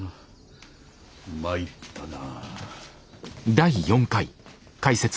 参ったな。